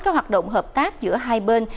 các hoạt động hợp tác giữa hai bên